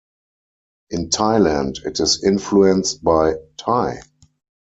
In Thailand, it is influenced by Thai.